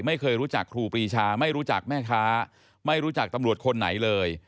ไม่เคยรู้จักครูปรีชาไม่รู้จักแม่ค้าไม่รู้จักตำรวจคนไหนเลย